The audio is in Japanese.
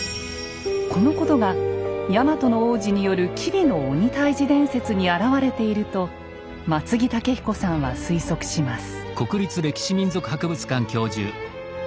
このことがヤマトの皇子による吉備の鬼退治伝説に表れていると松木武彦さんは推測します。